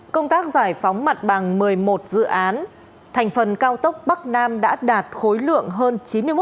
công tác giải phóng mặt bằng một mươi một dự án thành phần cao tốc bắc nam đã đạt khối lượng hơn chín mươi một